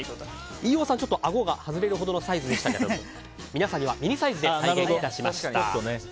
飯尾さん、あごが外れるほどのサイズでしたけれども皆さんにはミニサイズで再現しました。